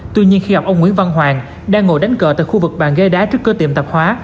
tuy nhiên khi gặp ông nguyễn văn hoàng đang ngồi đánh cờ tại khu vực bàn ghế đá trước cửa tiệm tạp hóa